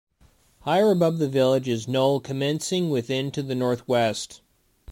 Higher above the village is Knowle commencing within to the northwest.